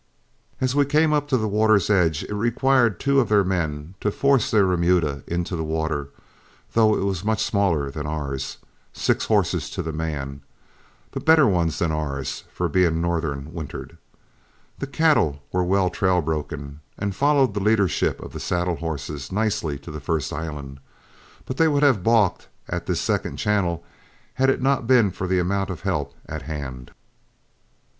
As we came up to the water's edge, it required two of their men to force their remuda into the water, though it was much smaller than ours, six horses to the man, but better ones than ours, being northern wintered. The cattle were well trail broken, and followed the leadership of the saddle horses nicely to the first island, but they would have balked at this second channel, had it not been for the amount of help at hand.